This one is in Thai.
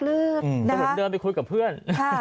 เหมือนเดินไปคุยกับเพื่อน